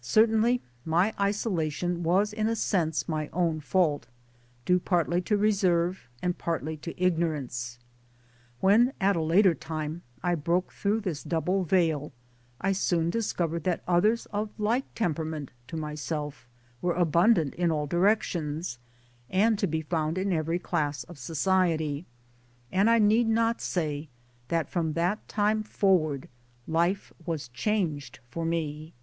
Certainly my isolation was in a sense my own fault due partly to reserve and partly to ignorance. When at a later time I broke through this double veil, I soon discovered that others of like tempera ment to myself were abundant in all directions, and to be found in every class of society ; and I need not say that from that time forward life was changed for me.